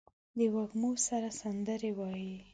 د وږمو سره سندرې وايي